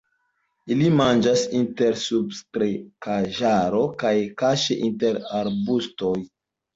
Ili manĝas inter subkreskaĵaro kaj kaŝe inter arbustoj.